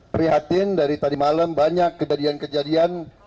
prihatin dari tadi malam banyak kejadian kejadian